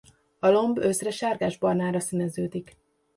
A lomb őszre sárgásbarnára színeződik.